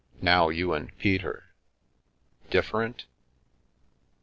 Now you and Peter ? Different?"